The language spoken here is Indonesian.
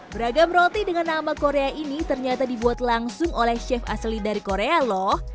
beragam roti dengan nama korea ini ternyata dibuat langsung oleh chef asli dari korea loh